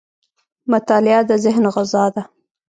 • مطالعه د ذهن غذا ده.